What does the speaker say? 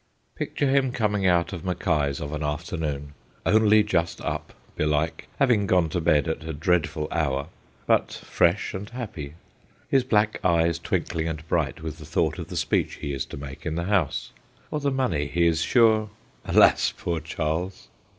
Picture him coming out of Mackie's of an afternoon, only just up, belike, having gone to bed at a dreadful hour, but fresh and happy ; his black eyes twinkling and bright with the thought of the speech he is to make in the House, or the money he is sure alas, poor Charles